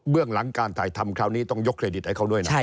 เรื่องหลังการถ่ายทำคราวนี้ต้องยกเครดิตให้เขาด้วยนะ